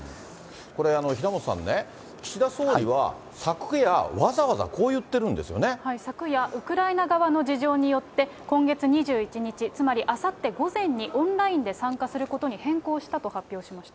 これ、平本さんね、岸田総理は、昨夜、昨夜、ウクライナ側の事情によって、今月２１日、つまりあさって午前にオンラインで参加することに変更したと発表しました。